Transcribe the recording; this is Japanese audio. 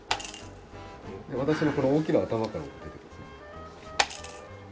私のこの大きな頭からも出てきますね。